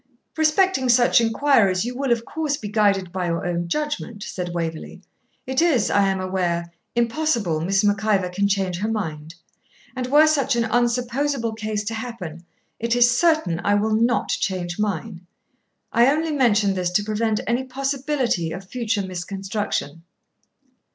'Respecting such inquiries, you will of course be guided by your own judgment,' said Waverley. 'It is, I am aware, impossible Miss Mac Ivor can change her mind; and were such an unsupposable case to happen, it is certain I will not change mine. I only mention this to prevent any possibility of future misconstruction.'